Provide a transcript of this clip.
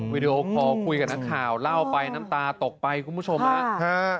วิดีโอคอลคุยกับนักข่าวเล่าไปน้ำตาตกไปคุณผู้ชมฮะ